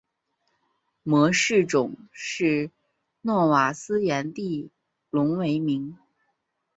模式种是诺瓦斯颜地龙为名。